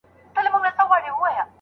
نه هغه ژوند راپاته دی نه هاغسې سازونه